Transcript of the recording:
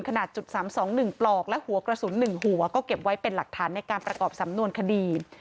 ขนาดจุด๓๒๑ปลอกและหัวกระสุน๑หัวก็เก็บไว้เป็นหลักฐานในการประกอบสำนวนคดี